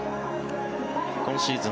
今シーズン